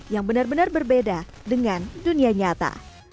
yang benar benar berbeda dengan dunia nyata